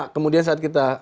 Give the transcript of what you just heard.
kemudian saat kita